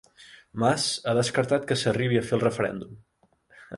Mas ha descartat que s'arribi a fer el referèndum